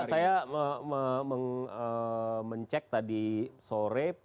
saya mengecek tadi sore